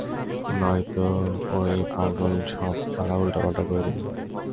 নইতো ঔই পাগল সব খেলা উল্টাপাল্টা করে দিবে।